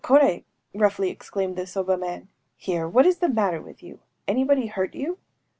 kor√©!_‚ÄĚ (3) roughly exclaimed the soba man. “Here! what is the matter with you? Anybody hurt you?